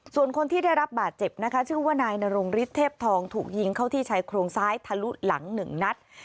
ส่วนคนที่ได้รับบาดเจ็บนะคะชื่อว่านายนรงฤทธเทพทองถูกยิงเข้าที่ชายโครงซ้ายทะลุหลังหนึ่งนัด